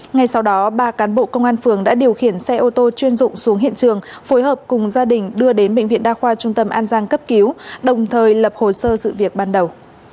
ngay sau đó ba cán bộ công an phường đã điều khiển xe ô tô chuyên dụng xuống hiện trường phối hợp cùng gia đình đưa đến bệnh viện đa khoa trung tâm an giang cấp cứu đồng thời lập hồ sơ sự việc ban đầu